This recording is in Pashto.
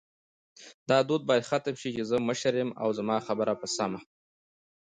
دا دود باید ختم شې چی زه مشر یم او زما خبره به سمه